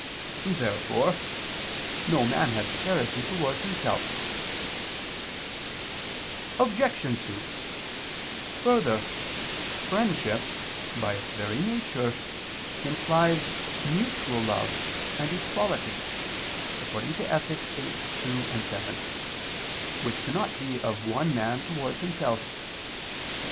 Therefore no man has charity towards himself. Obj. 2: Further, friendship, by its very nature, implies mutual love and equality (Ethic. viii, 2, 7), which cannot be of one man towards himself.